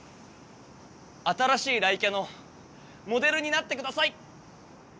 新しい雷キャのモデルになってください！